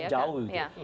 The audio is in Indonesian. kan jauh gitu